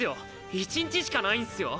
１日しかないんスよ。